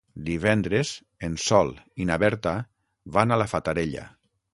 Divendres en Sol i na Berta van a la Fatarella.